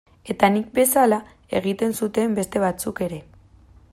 Eta nik bezala egiten zuten beste batzuek ere.